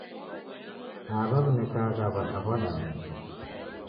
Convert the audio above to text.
Awa w'inekaha w'adaw'ada mecha.